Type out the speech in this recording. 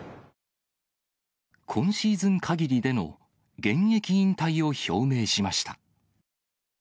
今シーズン限りでの現役引退を表明しました。